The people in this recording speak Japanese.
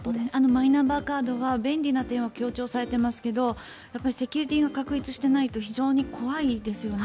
マイナンバーカードは便利な点が強調されていますがセキュリティーが確立していないと非常に怖いですよね。